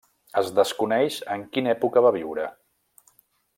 Es desconeix en quina època va viure.